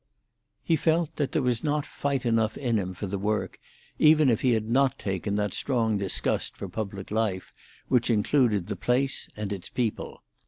He felt that there was not fight enough in him for the work, even if he had not taken that strong disgust for public life which included the place and its people.